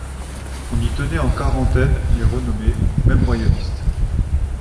On y tenait en quarantaine les renommées, même royalistes.